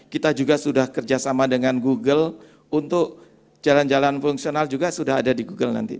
kita juga sudah kerjasama dengan google untuk jalan jalan fungsional juga sudah ada di google nanti